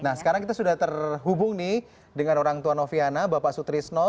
nah sekarang kita sudah terhubung nih dengan orang tua noviana bapak sutrisno